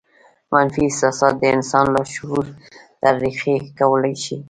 منفي احساسات هم د انسان لاشعور ته رېښې کولای شي